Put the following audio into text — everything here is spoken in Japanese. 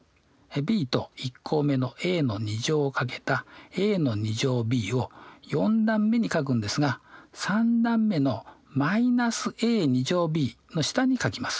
ｂと１項目のａを掛けたａｂを４段目に書くんですが３段目の−ａｂの下に書きます。